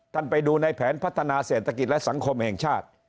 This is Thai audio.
ไปดูในแผนพัฒนาเศรษฐกิจและสังคมแห่งชาติ